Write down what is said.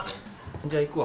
じゃあ行くわ。